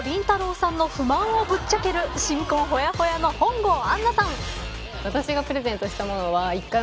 さんの不満をぶっちゃける新婚ほやほやの本郷アンナさん。